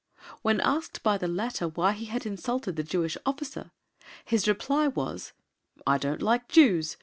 When asked by the latter why he had insulted the Jewish officer his reply was, "I don't like Jews.